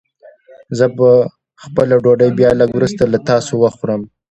زه به خپله ډوډۍ بيا لږ وروسته له تاسو وخورم.